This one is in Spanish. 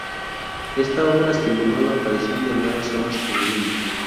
Esta obra estimuló la aparición de nuevas zonas en Lima.